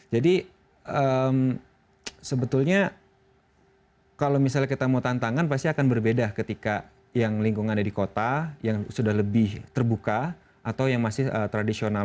jadi sebetulnya kalau misalnya kita mau tantangan pasti akan berbeda ketika yang lingkungan ada di kota yang sudah lebih terbuka atau yang masih tradisional